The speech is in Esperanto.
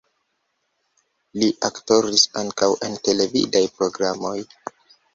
Li aktoris ankaŭ en televidaj programoj.